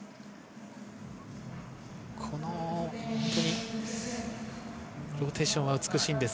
このローテーションは美しいです。